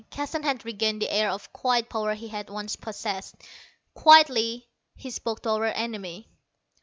Keston had regained the air of quiet power he had once possessed. Quietly he spoke to our enemy.